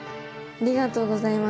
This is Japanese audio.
ありがとうございます。